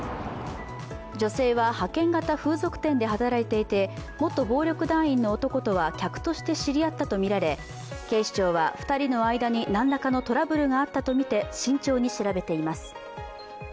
女性は派遣型風俗店で働いていて、元暴力団員の男とは客として知り合ったとみられ警視庁は２人の間になんらかのトラブルがあったとみて慎重に調べています。